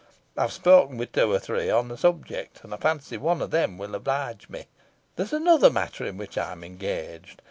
I have spoken with two or three on the subject, and fancy one of them will oblige me. There is another matter on which I am engaged.